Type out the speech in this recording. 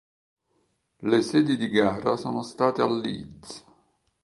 Le sedi di gara sono state a Leeds.